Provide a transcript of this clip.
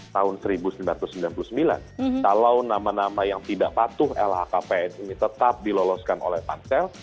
tahun seribu sembilan ratus sembilan puluh sembilan kalau nama nama yang tidak patuh lhkpn ini tetap diloloskan oleh pansel